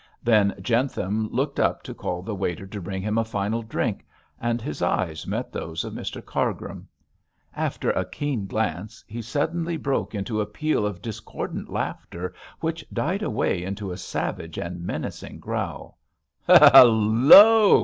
Then Jentham looked up to call the waiter to bring him a final drink, and his eyes met those of Mr Cargrim. After a keen glance he suddenly broke into a peal of discordant laughter, which died away into a savage and menacing growl. 'Hallo!'